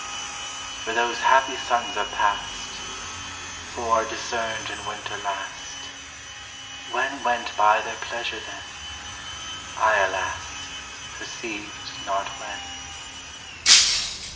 For those happy suns are past, Fore discerned in winter last. When went by their pleasure, then? I, alas, perceived not when.